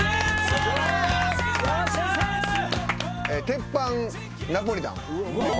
鉄板ナポリタン。